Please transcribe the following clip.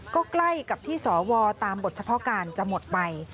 ก็ใกล้กับที่สวตามบทเฉพาะการจะหมดไป